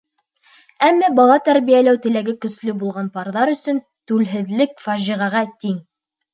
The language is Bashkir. Әммә бала тәрбиәләү теләге көслө булған парҙар өсөн түлһеҙлек фажиғәгә тиң.